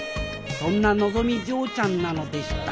そんなのぞみ嬢ちゃんなのでした